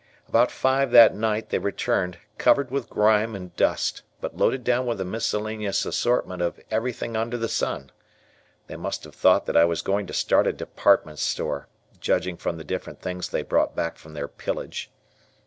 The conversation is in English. About five that night they returned covered with grime and dust, but loaded down with a miscellaneous assortment of everything under the sun. They must have thought that I was going to start a department store, judging from the different things they brought back from their pillage.